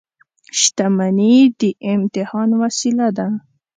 • شتمني د امتحان وسیله ده.